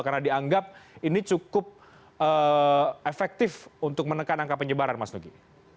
karena dianggap ini cukup efektif untuk menekan angka penyebaran mas nugi